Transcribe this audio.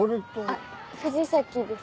あっ藤崎です。